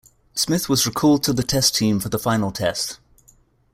Smith was recalled to the test team for the final test.